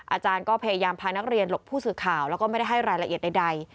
อาจารย์ก็พยายามพานักเรียนหลบผู้สื่อข่าวแล้วก็ไม่ได้ให้รายละเอียดใด